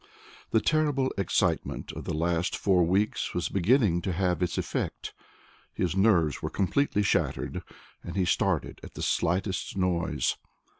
The terrible excitement of the last four weeks was beginning to have its effect. His nerves were completely shattered, and he started at the slightest noise.